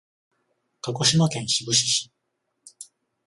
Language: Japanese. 鹿児島県志布志市